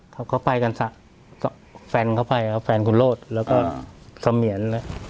เขาก็ไปกันแฟนเข้าไปครับแฟนคุณโรธแล้วก็เสมียน